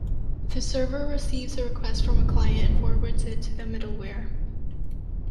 The server receives a request from a client and forwards it to the middleware.